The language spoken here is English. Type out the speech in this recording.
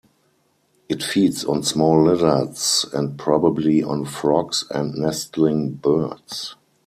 It feeds on small lizards and probably on frogs and nestling birds.